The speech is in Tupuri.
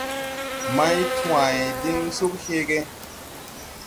Mày tway diŋ sug heege.